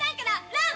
ラン！